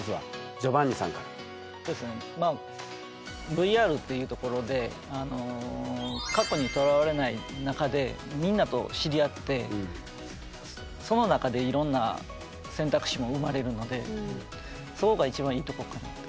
ＶＲという所で過去にとらわれない中でみんなと知り合ってその中でいろんな選択肢も生まれるのでそこが一番いいとこかなぁと思いますね。